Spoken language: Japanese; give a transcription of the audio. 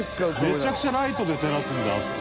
めちゃくちゃライトで照らすんだよあそこ。